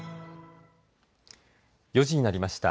４時になりました。